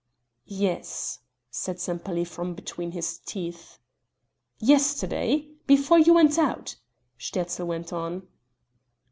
"Yes," said Sempaly from between his teeth. "Yesterday before you went out?" Sterzl went on.